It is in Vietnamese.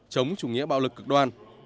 chống chủ nghĩa bạo lực cực đoan